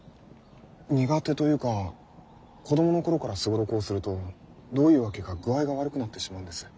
苦手というか子供の頃から双六をするとどういうわけか具合が悪くなってしまうんです。